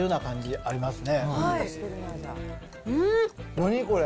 何これ。